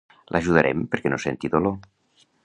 L'ajudarem perquè no senti dolor.